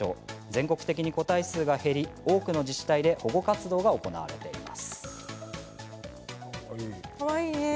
全国的に個体数が減り多くの自治体で保護活動が行われています。